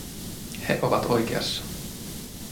He ovat oikeassa.